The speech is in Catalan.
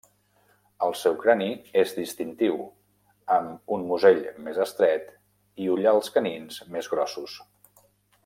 El seu crani és distintiu amb un musell més estret i ullals canins més grossos.